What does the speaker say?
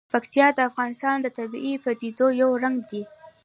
پکتیکا د افغانستان د طبیعي پدیدو یو رنګ دی.